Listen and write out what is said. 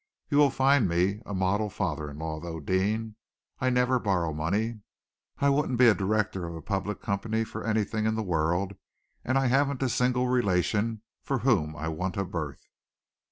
You will find me a model father in law, though, Deane. I never borrow money, I wouldn't be a director of a public company for anything in the world, and I haven't a single relation for whom I want a berth."